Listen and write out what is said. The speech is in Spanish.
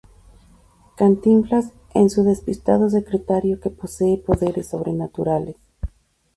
Cantinflas es su despistado secretario que posee poderes sobrenaturales.